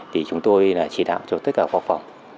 thì chúng tôi chỉ đạo cho tất cả các khoa phòng